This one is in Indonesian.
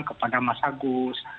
kepada mas agus